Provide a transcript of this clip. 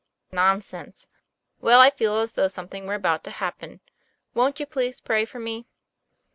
" Nonsense." "Well, I feel as though something were about to happen. Wont you please pray for me